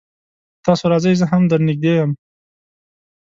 تاسو راځئ زه هم در نږدې يم